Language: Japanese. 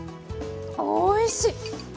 おいしい。